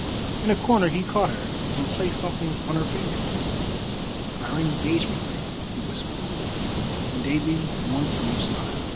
In a corner he caught her, and placed something on her finger. "Our engagement ring," he whispered, and Daisy once more smiled.